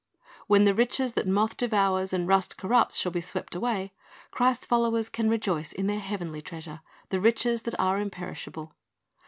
"^ Wlien the riches that moth devours and rust corrupts shall be swept away, Christ's followers can rejoice in their heavenly treasure, the riches that are imperishable.